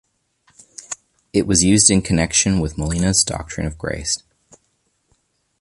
It was used in connexion with Molina's doctrine of grace.